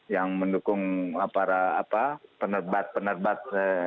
yang mendukung penerbat penerbat